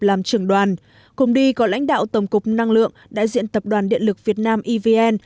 làm trưởng đoàn cùng đi có lãnh đạo tổng cục năng lượng đại diện tập đoàn điện lực việt nam evn